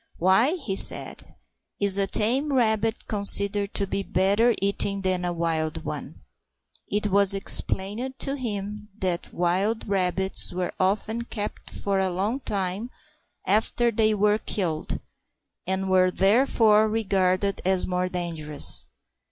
"Why," he said, "is a tame rabbit considered to be better eating than a wild one?" It was explained to him that wild rabbits were often kept for a long time after they were killed, and were therefore regarded as more dangerous.